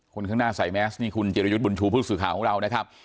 คนข้างหน้าใส่แมสนี่คุณจิรยุทธ์บุญชูผู้สื่อข่าวของเรานะครับ